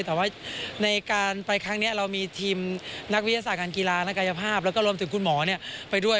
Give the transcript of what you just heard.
แต่ว่าในการไปครั้งนี้เรามีทีมนักวิทยาศาสตร์การกีฬานักกายภาพแล้วก็รวมถึงคุณหมอไปด้วย